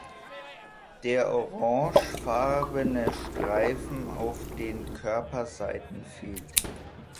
Der orangefarbene Streifen auf den Körperseiten fehlt.